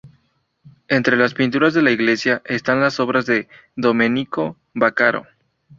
Entre las pinturas de la iglesia están las obras de Domenico Vaccaro.